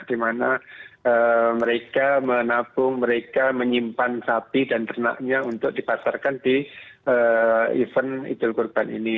di mana mereka menabung mereka menyimpan sapi dan ternaknya untuk dipasarkan di event idul kurban ini